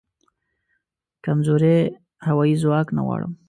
کمزوری هوایې ځواک نه غواړم